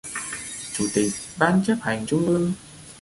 Chủ tịch Ban Chấp hành Trung ương